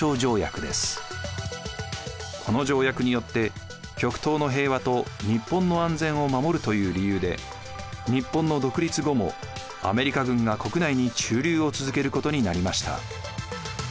この条約によって極東の平和と日本の安全を守るという理由で日本の独立後もアメリカ軍が国内に駐留を続けることになりました。